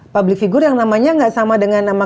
public figure yang namanya gak sama dengan nama